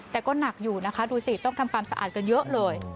แต่ก็หนักอยู่นะคะดูสิต้องทำความสะอาดกันเยอะเลย